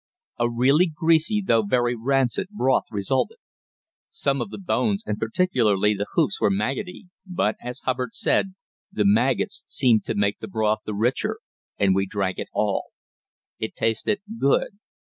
A really greasy, though very rancid, broth resulted. Some of the bones and particularly the hoofs were maggoty, but, as Hubbard said, the maggots seemed to make the broth the richer, and we drank it all. It tasted good.